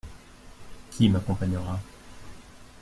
Qui m’accompagnera.